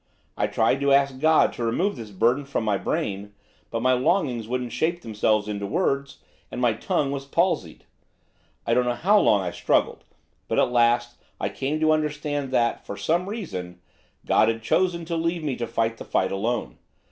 I tried to ask God to remove this burden from my brain, but my longings wouldn't shape themselves into words, and my tongue was palsied. I don't know how long I struggled, but, at last, I came to understand that, for some cause, God had chosen to leave me to fight the fight alone.